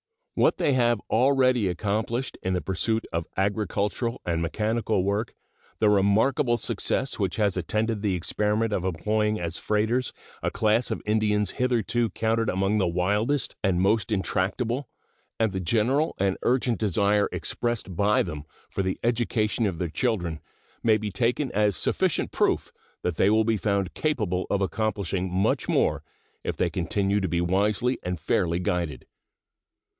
What they have already accomplished in the pursuit of agricultural and mechanical work, the remarkable success which has attended the experiment of employing as freighters a class of Indians hitherto counted among the wildest and most intractable, and the general and urgent desire expressed by them for the education of their children may be taken as sufficient proof that they will be found capable of accomplishing much more if they continue to be wisely and fairly guided.